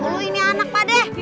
kau ini anak padah